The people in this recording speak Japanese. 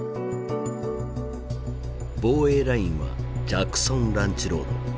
防衛ラインはジャクソン・ランチ・ロード。